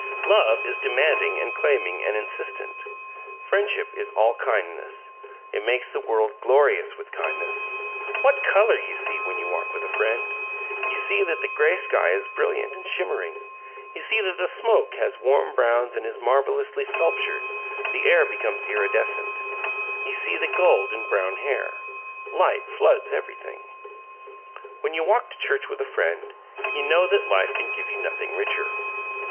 Love is demanding and claiming and insistent. Friendship is all kindness it makes the world glorious with kindness. What color you see when you walk with a friend! You see that the gray sky is brilliant and shimmering; you see that the smoke has warm browns and is marvelously sculptured the air becomes iridescent. You see the gold in brown hair. Light floods everything. When you walk to church with a friend you know that life can give you nothing richer.